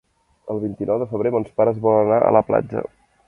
El vint-i-nou de febrer mons pares volen anar a la platja.